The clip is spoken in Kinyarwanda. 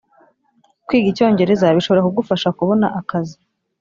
Kwiga Icyongereza bishobora kugufasha kubona akazi